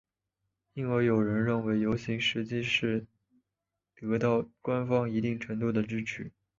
因而有人认为游行实际上是得到官方一定程度的支持。